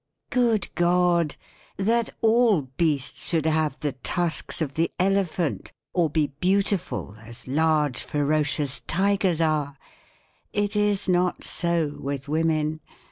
Good God ! That all beasts should have The tusks of the elephant. Or be beautiful As large, ferocious tigers are. It is not so with women.